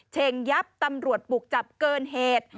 เช่งยับตำรวจบุกจับเกินเหตุ